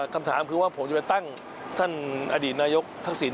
คำถามคือว่าผมจะไปตั้งท่านอดีตนายกทักษิณ